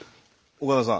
岡田さん。